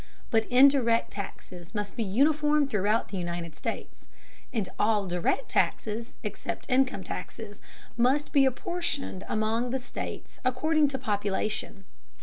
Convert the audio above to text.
But indirect taxes must be uniform throughout the United States, and all direct taxes, except income taxes, must be apportioned among the states according to population.